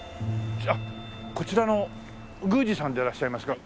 こちらの宮司さんでいらっしゃいますか？